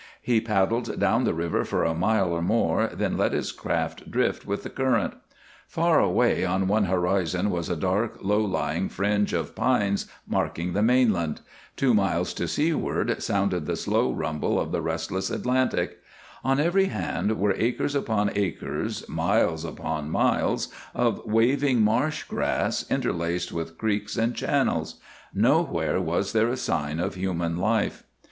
He paddled down the river for a mile or more, then let his craft drift with the current. Far away on one horizon was a dark, low lying fringe of pines marking the mainland; two miles to seaward sounded the slow rumble of the restless Atlantic; on every hand were acres upon acres, miles upon miles of waving marsh grass interlaced with creeks and channels; nowhere was there a sign of human life.